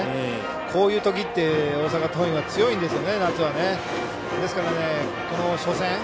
こういうときって大阪桐蔭は強いんですよね、夏は。